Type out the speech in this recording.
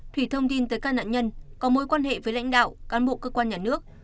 thủy thông tin tới các nạn nhân có mối quan hệ với lãnh đạo cán bộ cơ quan nhà nước